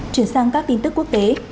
chuyển sang các tin tức quốc tế